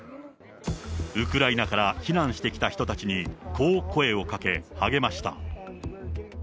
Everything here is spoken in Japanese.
ウクライナから避難してきた人たちに、こう声をかけ、励ました。